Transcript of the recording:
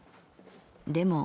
でも―――